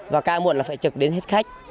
và ca muộn là phải trực đến hết khách